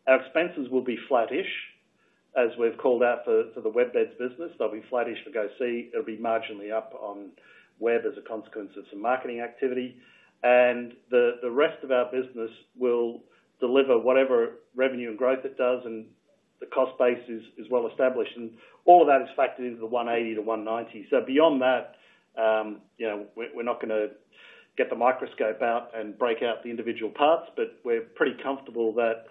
[SPEAKER 2] Our expenses will be flattish, as we've called out for the WebBeds business. They'll be flattish for GoSee. It'll be marginally up on where there's a consequence of some marketing activity, and the rest of our business will deliver whatever revenue and growth it does, and the cost base is well established. All of that is factored into the 180-190. Beyond that, you know, we're not gonna get the microscope out and break out the individual parts, but we're pretty comfortable that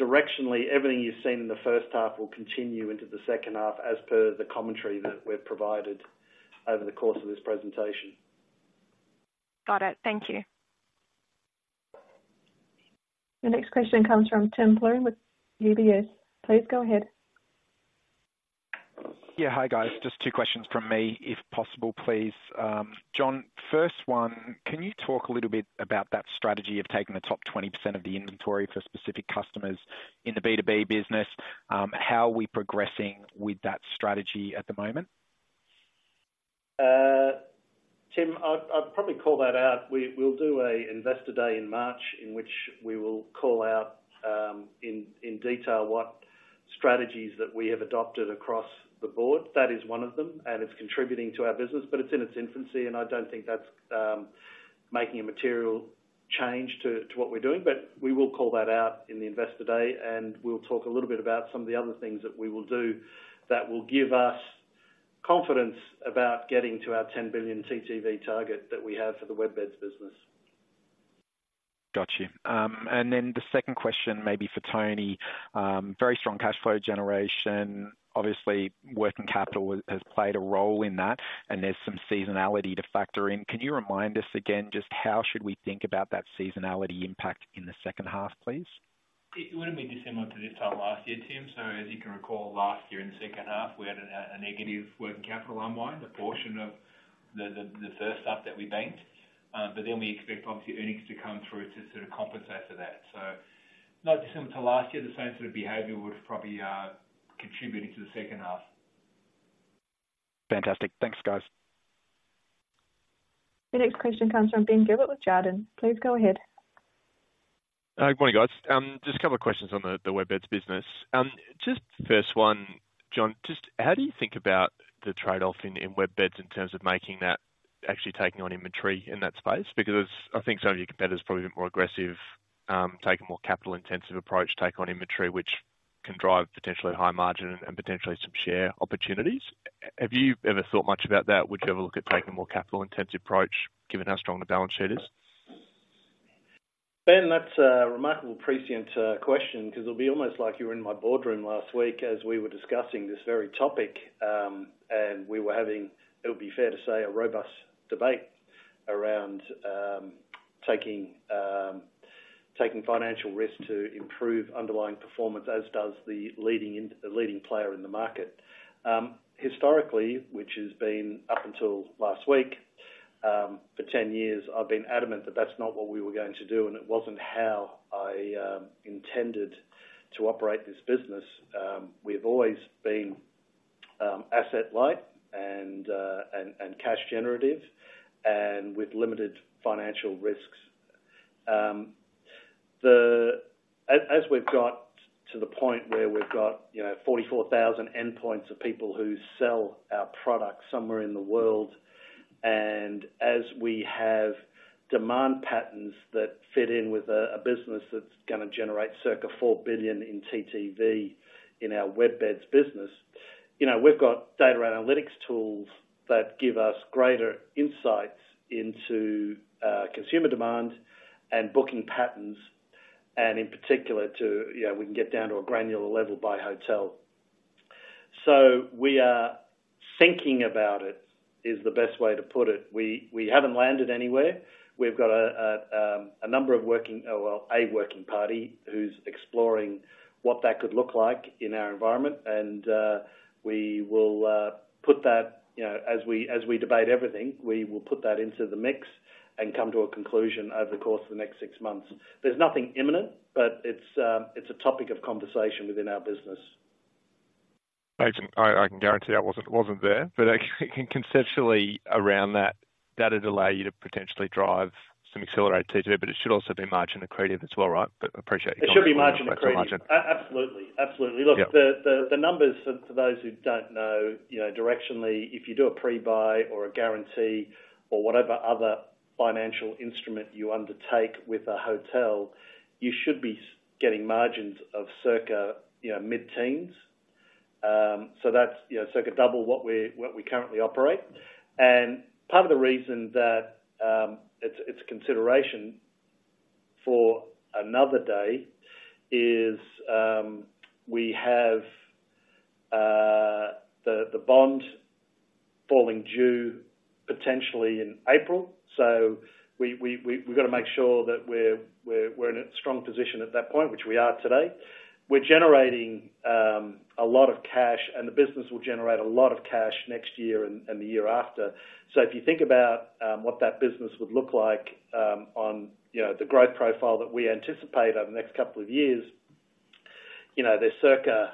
[SPEAKER 2] directionally, everything you've seen in the first half will continue into the second half, as per the commentary that we've provided over the course of this presentation.
[SPEAKER 5] Got it. Thank you.
[SPEAKER 1] The next question comes from Tim Plumbe with UBS. Please go ahead.
[SPEAKER 6] Yeah. Hi, guys. Just two questions from me, if possible, please. John, first one, can you talk a little bit about that strategy of taking the top 20% of the inventory for specific customers in the B2B business? How are we progressing with that strategy at the moment?
[SPEAKER 2] Timothy, I'd probably call that out. We'll do an investor day in March, in which we will call out in detail what strategies that we have adopted across the board. That is one of them, and it's contributing to our business, but it's in its infancy, and I don't think that's making a material change to what we're doing. But we will call that out in the investor day, and we'll talk a little bit about some of the other things that we will do that will give us confidence about getting to our 10 billion TTV target that we have for the WebBeds business.
[SPEAKER 6] Got you. And then the second question may be for Tony. Very strong cash flow generation. Obviously, working capital has played a role in that, and there's some seasonality to factor in. Can you remind us again, just how should we think about that seasonality impact in the second half, please?
[SPEAKER 7] It wouldn't be dissimilar to this time last year, Timothy. So as you can recall, last year in the second half, we had a negative working capital unwind, a portion of the first half that we banked. But then we expect obviously, earnings to come through to sort of compensate for that. So not dissimilar to last year, the same sort of behavior would have probably contributed to the second half.
[SPEAKER 6] Fantastic. Thanks, guys.
[SPEAKER 1] The next question comes from Ben Gilbert with Jarden. Please go ahead.
[SPEAKER 8] Good morning, guys. Just a couple of questions on the WebBeds business. Just first one, John, just how do you think about the trade-off in WebBeds in terms of making that actually taking on inventory in that space? Because I think some of your competitors are probably more aggressive, taking a more capital-intensive approach, take on inventory, which can drive potentially high margin and potentially some share opportunities. Have you ever thought much about that? Would you ever look at taking a more capital-intensive approach, given how strong the balance sheet is?
[SPEAKER 2] Ben, that's a remarkable, prescient question, because it'll be almost like you were in my boardroom last week as we were discussing this very topic, and we were having, it would be fair to say, a robust debate around taking financial risks to improve underlying performance, as does the leading player in the market. Historically, which has been up until last week, for 10 years, I've been adamant that that's not what we were going to do, and it wasn't how I intended to operate this business. We've always been asset light and cash generative and with limited financial risks. The... We've got to the point where we've got, you know, 44,000 endpoints of people who sell our product somewhere in the world, and as we have demand patterns that fit in with a business that's gonna generate circa 4 billion in TTV in our WebBeds business, you know, we've got data analytics tools that give us greater insights into consumer demand and booking patterns, and in particular, you know, we can get down to a granular level by hotel. So we are thinking about it, is the best way to put it. We haven't landed anywhere. We've got a working party who's exploring what that could look like in our environment, and we will put that, you know, as we debate everything, we will put that into the mix and come to a conclusion over the course of the next six months. There's nothing imminent, but it's a topic of conversation within our business.
[SPEAKER 8] I can guarantee I wasn't there, but conceptually around that, that'd allow you to potentially drive some accelerated TTV, but it should also be margin accretive as well, right? But appreciate your time.
[SPEAKER 2] It should be margin accretive.
[SPEAKER 8] Margin.
[SPEAKER 2] A-absolutely. Absolutely.
[SPEAKER 8] Yeah.
[SPEAKER 2] Look, the numbers for those who don't know, you know, directionally, if you do a pre-buy or a guarantee or whatever other financial instrument you undertake with a hotel, you should be getting margins of circa, you know, mid-teens. So that's, you know, so it could double what we currently operate. And part of the reason that it's a consideration for another day is we have the bond falling due potentially in April. So we've got to make sure that we're in a strong position at that point, which we are today. We're generating a lot of cash, and the business will generate a lot of cash next year and the year after. So if you think about what that business would look like, you know, on the growth profile that we anticipate over the next couple of years, you know, there's circa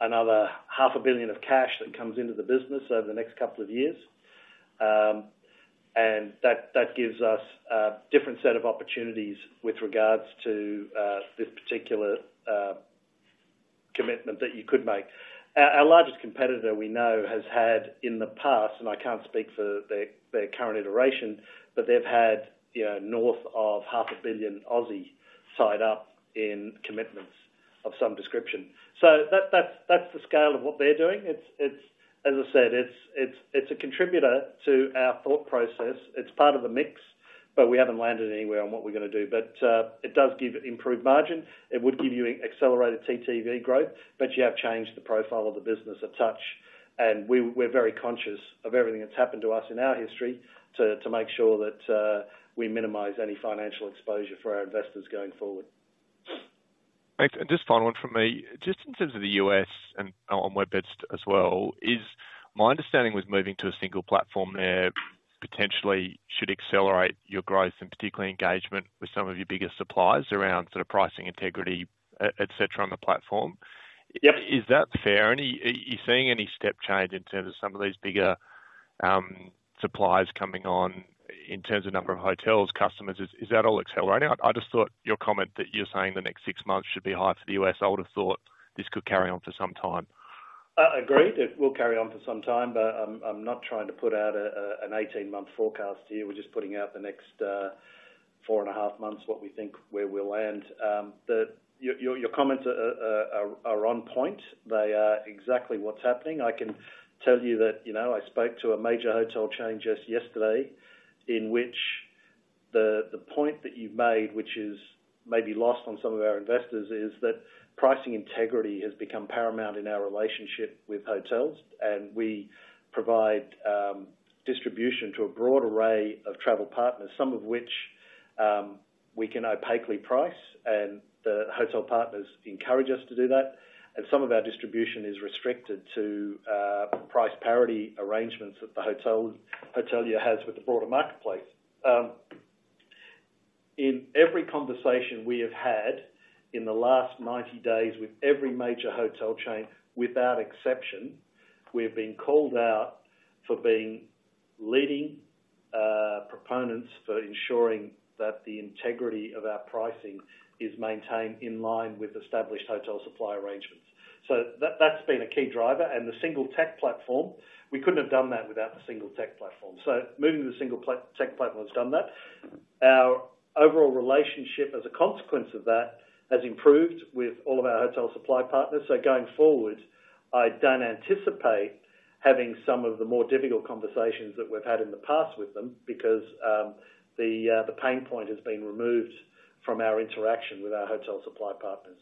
[SPEAKER 2] another 500 million of cash that comes into the business over the next couple of years. And that gives us a different set of opportunities with regards to this particular commitment that you could make. Our largest competitor, we know, has had in the past, and I can't speak for their current iteration, but they've had, you know, north of 500 million tied up in commitments of some description. So that's the scale of what they're doing. It's as I said, it's a contributor to our thought process. It's part of the mix, but we haven't landed anywhere on what we're gonna do. But, it does give improved margin. It would give you accelerated TTV growth, but you have changed the profile of the business a touch, and we're very conscious of everything that's happened to us in our history, to make sure that we minimize any financial exposure for our investors going forward.
[SPEAKER 8] Thanks. Just final one from me. Just in terms of the U.S., and on WebBeds as well, is my understanding with moving to a single platform there, potentially should accelerate your growth, and particularly engagement with some of your biggest suppliers around sort of pricing, integrity, et cetera, etc., on the platform?
[SPEAKER 2] Yep.
[SPEAKER 8] Is that fair? Any? Are you seeing any step change in terms of some of these bigger suppliers coming on in terms of number of hotels, customers? Is that all accelerating? I just thought your comment that you're saying the next six months should be high for the US. I would have thought this could carry on for some time.
[SPEAKER 2] Agreed. It will carry on for some time, but I'm not trying to put out an 18-month forecast here. We're just putting out the next 4.5 months, what we think, where we'll land. Your comments are on point. They are exactly what's happening. I can tell you that, you know, I spoke to a major hotel chain just yesterday, in which the point that you've made, which is maybe lost on some of our investors, is that pricing integrity has become paramount in our relationship with hotels, and we provide distribution to a broad array of travel partners, some of which we can opaquely price, and the hotel partners encourage us to do that. And some of our distribution is restricted to price parity arrangements that the hotelier has with the broader marketplace. In every conversation we have had in the last 90 days with every major hotel chain, without exception, we've been called out for being leading proponents for ensuring that the integrity of our pricing is maintained in line with established hotel supply arrangements. So that's been a key driver. And the single tech platform, we couldn't have done that without the single tech platform. So moving to the single tech platform has done that. Our overall relationship as a consequence of that has improved with all of our hotel supply partners. So going forward, I don't anticipate having some of the more difficult conversations that we've had in the past with them because the pain point has been removed from our interaction with our hotel supply partners,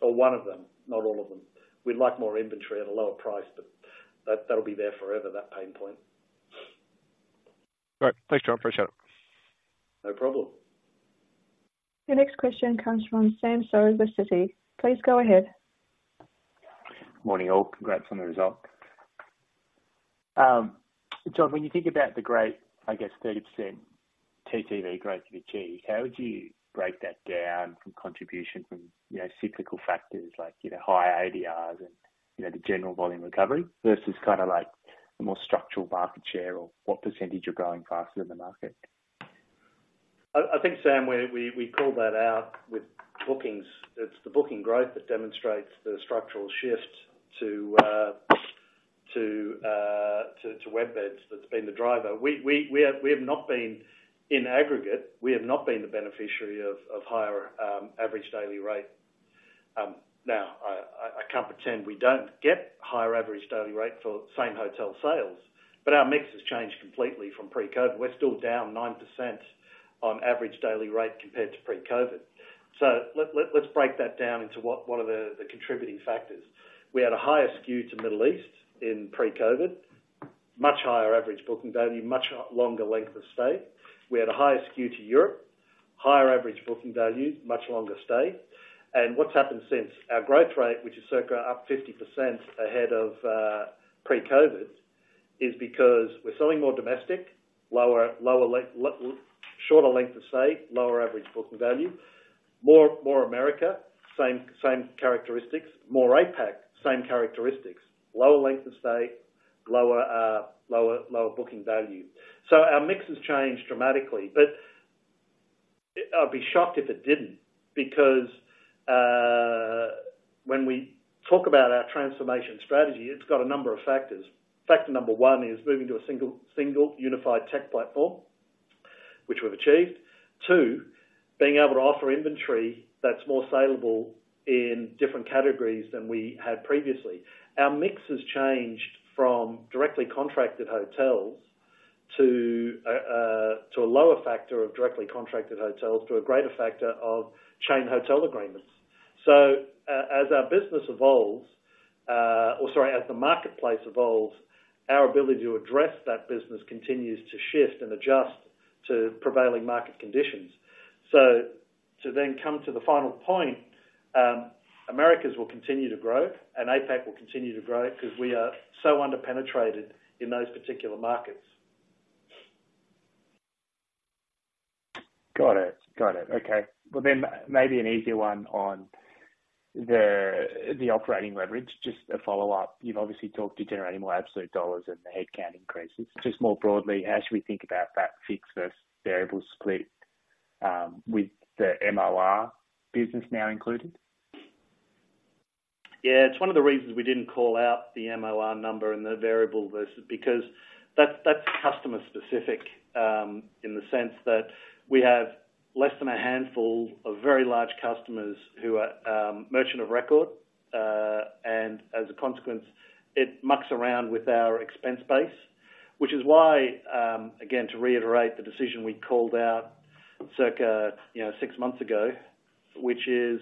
[SPEAKER 2] or one of them, not all of them. We'd like more inventory at a lower price, but that'll be there forever, that pain point.
[SPEAKER 8] All right. Thanks, John. Appreciate it.
[SPEAKER 2] No problem.
[SPEAKER 1] Your next question comes from Samuel Seow of Citi. Please go ahead.
[SPEAKER 9] Morning, all. Congrats on the result. John, when you think about the great, I guess, 30% TTV growth that you achieved, how would you break that down from contribution from, you know, cyclical factors like, you know, higher ADRs and, you know, the general volume recovery, versus kind of like the more structural market share, or what percentage you're growing faster than the market?
[SPEAKER 2] I think, Samuel, we called that out with bookings. It's the booking growth that demonstrates the structural shift to WebBeds that's been the driver. We have not been, in aggregate, the beneficiary of higher average daily rate. Now, I can't pretend we don't get higher average daily rate for same hotel sales, but our mix has changed completely from pre-COVID. We're still down 9% on average daily rate compared to pre-COVID. So let's break that down into what are the contributing factors. We had a higher SKU to Middle East in pre-COVID, much higher average booking value, much longer length of stay. We had a higher SKU to Europe, higher average booking value, much longer stay. And what's happened since? Our growth rate, which is circa up 50% ahead of pre-COVID, is because we're selling more domestic, lower, shorter length of stay, lower average booking value. More America, same characteristics, more APAC, same characteristics, lower length of stay, lower, lower booking value. So our mix has changed dramatically, but I'd be shocked if it didn't, because when we talk about our transformation strategy, it's got a number of factors. Factor number one is moving to a single unified tech platform, which we've achieved. Two, being able to offer inventory that's more saleable in different categories than we had previously. Our mix has changed from directly contracted hotels to a lower factor of directly contracted hotels, to a greater factor of chain hotel agreements. So, as our business evolves, or sorry, as the marketplace evolves, our ability to address that business continues to shift and adjust to prevailing market conditions. So to then come to the final point, Americas will continue to grow and APAC will continue to grow, 'cause we are so under-penetrated in those particular markets.
[SPEAKER 9] Got it. Got it. Okay. Well, then maybe an easier one on the operating leverage. Just a follow-up. You've obviously talked to generating more absolute dollars and the headcount increases. Just more broadly, how should we think about that fixed versus variable split with the MOR business now included?
[SPEAKER 2] Yeah, it's one of the reasons we didn't call out the MOR number and the variable versus, because that's, that's customer specific, in the sense that we have less than a handful of very large customers who are merchant of record. And as a consequence, it mucks around with our expense base, which is why, again, to reiterate the decision we called out circa, you know, six months ago, which is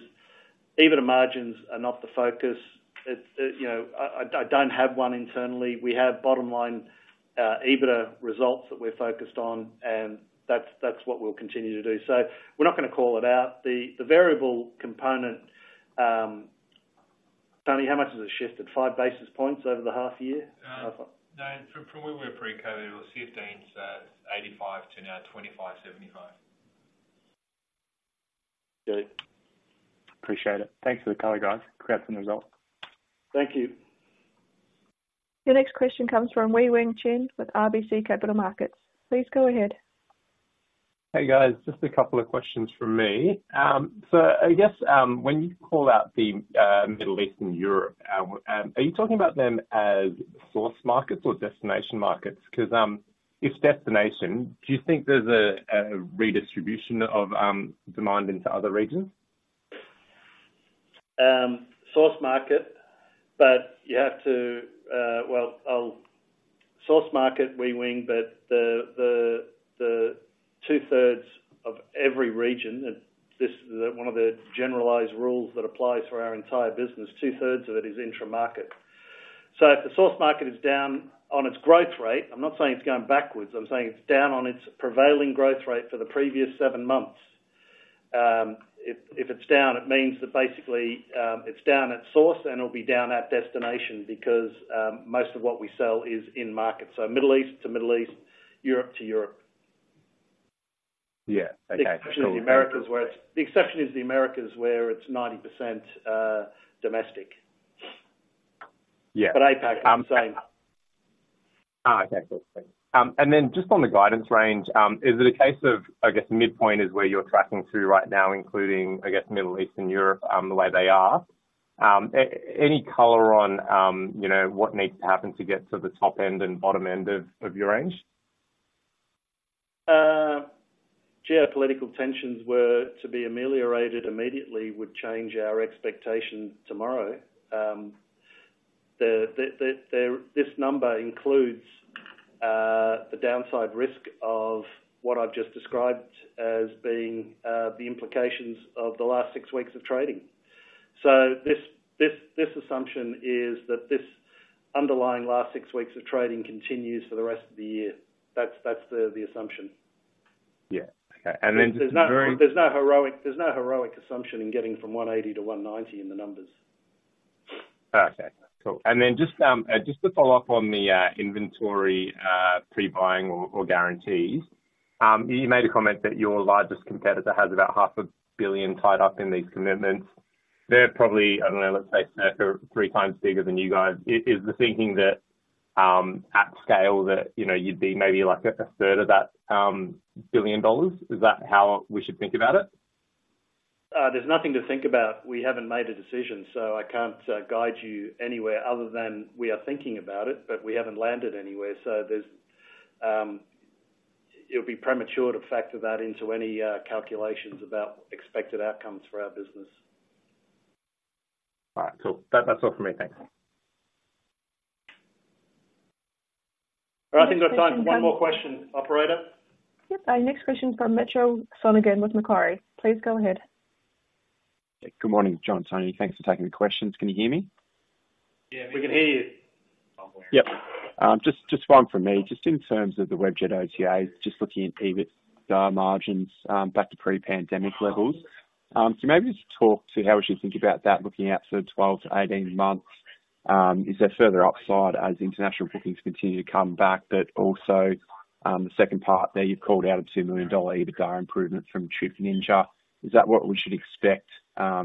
[SPEAKER 2] EBITDA margins are not the focus. It, it, you know, I, I don't have one internally. We have bottom line EBITDA results that we're focused on, and that's, that's what we'll continue to do. So we're not gonna call it out. The, the variable component, Tony, how much has it shifted? Five basis points over the half year?
[SPEAKER 10] No, from where we were pre-COVID, it was 15, so 85 to now 25, 75.
[SPEAKER 9] Got it. Appreciate it. Thanks for the color, guys. Congrats on the results.
[SPEAKER 2] Thank you.
[SPEAKER 1] Your next question comes from Wei-Weng Chen with RBC Capital Markets. Please go ahead.
[SPEAKER 11] Hey, guys. Just a couple of questions from me. So I guess, when you call out the Middle East and Europe, are you talking about them as source markets or destination markets? Because, if destination, do you think there's a redistribution of demand into other regions?
[SPEAKER 2] Source market, but you have to... Well, I'll—Source market, Wei-Weng, but the two-thirds of every region, and this is one of the generalized rules that applies for our entire business, two-thirds of it is intra-market. So if the source market is down on its growth rate, I'm not saying it's going backwards, I'm saying it's down on its prevailing growth rate for the previous seven months. If it's down, it means that basically, it's down at source and it'll be down at destination because most of what we sell is in market, so Middle East to Middle East, Europe to Europe.
[SPEAKER 11] Yeah. Okay.
[SPEAKER 2] The exception is the Americas, where it's 90% domestic.
[SPEAKER 11] Yeah.
[SPEAKER 2] But APAC is the same.
[SPEAKER 11] Okay. Cool. And then just on the guidance range, is it a case of, I guess, midpoint is where you're tracking to right now, including, I guess, Middle East and Europe, the way they are? Any color on, you know, what needs to happen to get to the top end and bottom end of your range?
[SPEAKER 2] Geopolitical tensions were to be ameliorated immediately would change our expectations tomorrow. This number includes the downside risk of what I've just described as being the implications of the last six weeks of trading. So this assumption is that this underlying last six weeks of trading continues for the rest of the year. That's the assumption.
[SPEAKER 11] Yeah. Okay, and then-
[SPEAKER 2] There's no heroic assumption in getting from 180 to 190 in the numbers.
[SPEAKER 11] Okay, cool. And then just to follow up on the inventory, pre-buying or guarantees. You made a comment that your largest competitor has about $500 million tied up in these commitments. They're probably, I don't know, let's say, circa three times bigger than you guys. Is the thinking that, at scale, that, you know, you'd be maybe like a third of that $1 billion? Is that how we should think about it?
[SPEAKER 2] There's nothing to think about. We haven't made a decision, so I can't guide you anywhere other than we are thinking about it, but we haven't landed anywhere. It would be premature to factor that into any calculations about expected outcomes for our business.
[SPEAKER 11] All right, cool. That, that's all for me. Thanks.
[SPEAKER 2] I think there's time for one more question, operator.
[SPEAKER 1] Yep. Our next question from Mitchell Sonogan with Macquarie. Please go ahead.
[SPEAKER 12] Good morning, John and Tony. Thanks for taking the questions. Can you hear me?
[SPEAKER 2] Yeah, we can hear you.
[SPEAKER 12] Yep. Just, just one from me. Just in terms of the Webjet OTA, just looking at EBIT margins back to pre-pandemic levels. Can you maybe just talk to how we should think about that looking out for 12-18 months? Is there further upside as international bookings continue to come back? But also, the second part there, you've called out an 2 million dollar EBITDA improvement from Trip Ninja. Is that what we should expect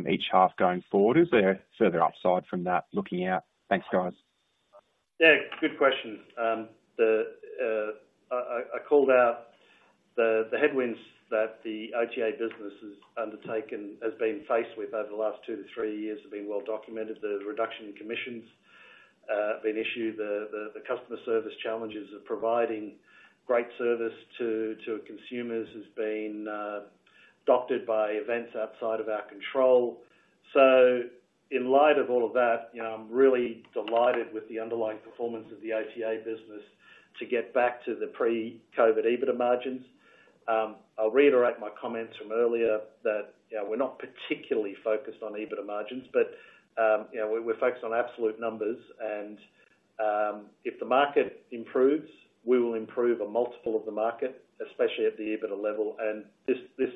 [SPEAKER 12] each half going forward? Is there further upside from that looking out? Thanks, guys.
[SPEAKER 2] Yeah, good question. The headwinds that the OTA business has undertaken, has been faced with over the last two to three years have been well documented. There's a reduction in commissions. The customer service challenges of providing great service to consumers has been adopted by events outside of our control. So in light of all of that, you know, I'm really delighted with the underlying performance of the OTA business to get back to the pre-COVID EBITDA margins. I'll reiterate my comments from earlier that, you know, we're not particularly focused on EBITDA margins, but, you know, we're focused on absolute numbers, and if the market improves, we will improve a multiple of the market, especially at the EBITDA level. This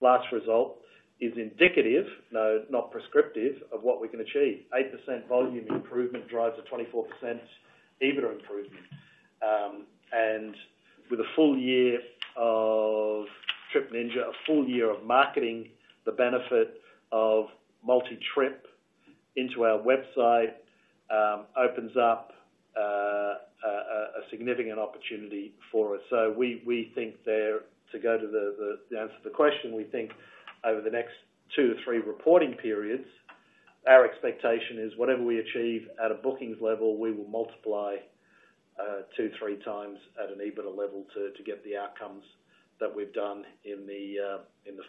[SPEAKER 2] last result is indicative, though, not prescriptive, of what we can achieve. 8% volume improvement drives a 24% EBITDA improvement. And with a full year of Trip Ninja, a full year of marketing, the benefit of multi-trip into our website, opens up a significant opportunity for us. So we think there to go to the answer to the question, we think over the next two-three reporting periods, our expectation is whatever we achieve at a bookings level, we will multiply two-three times at an EBITDA level to get the outcomes that we've done in the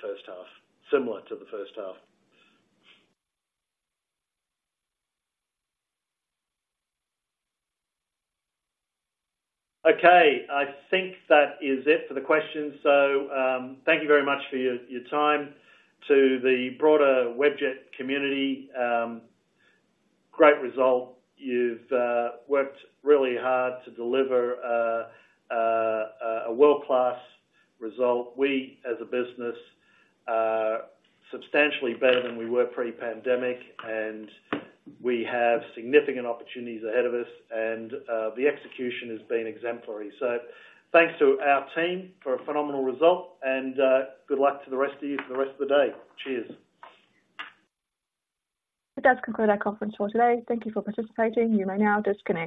[SPEAKER 2] first half, similar to the first half. Okay, I think that is it for the questions. So thank you very much for your time. To the broader Webjet community, great result. You've worked really hard to deliver a world-class result. We, as a business, are substantially better than we were pre-pandemic, and we have significant opportunities ahead of us, and the execution has been exemplary. So thanks to our team for a phenomenal result, and good luck to the rest of you for the rest of the day. Cheers!
[SPEAKER 1] That does conclude our conference call today. Thank you for participating. You may now disconnect.